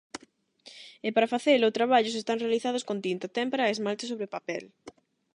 E para facelo, traballos están realizados con tinta, témpera e esmalte sobre papel.